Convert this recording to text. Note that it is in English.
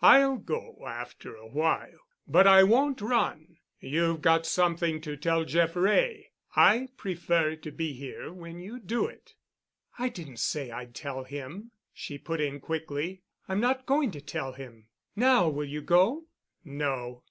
I'll go after a while, but I won't run. You've got something to tell Jeff Wray. I prefer to be here when you do it." "I didn't say I'd tell him," she put in quickly. "I'm not going to tell him. Now will you go?" "No."